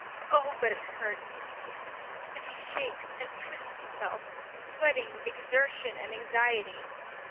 Oh, but it hurts! And he shakes and twists himself, sweating with exertion and anxiety.